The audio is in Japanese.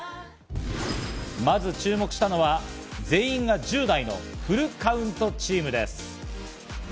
まず注目したのは全員が１０代のＦｕｌｌＣｏｕｎｔチームです。